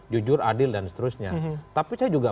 jujur adil dan seterusnya tapi saya juga